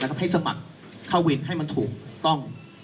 ให้สมัครเข้าวินให้มันถูกต้อง